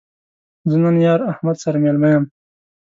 زه نن یار احمد سره مېلمه یم